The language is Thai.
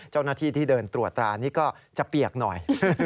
เจ้าหน้าที่ที่เดินตรวจตรานี้ก็จะเปียกหน่อย